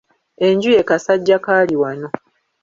Enju ye Kasajjakaaliwano.